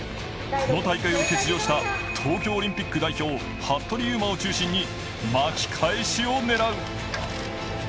この大会を欠場した東京オリンピック代表、服部勇馬を中心に巻き返しを狙う。